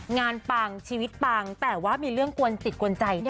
ปังชีวิตปังแต่ว่ามีเรื่องกวนจิตกวนใจด้วย